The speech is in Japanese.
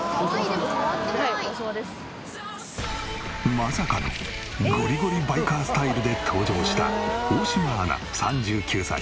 まさかのゴリゴリバイカースタイルで登場した大島アナ３９歳。